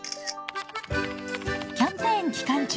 キャンペーン期間中に＃